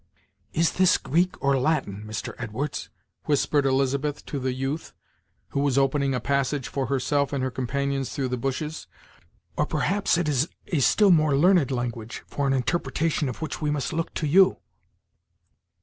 "Is this Greek or Latin, Mr. Edwards?" whispered Elizabeth to the youth, who was opening a passage for herself and her companions through the bushes, "or perhaps it is a still more learned language, for an interpretation of which we must look to you."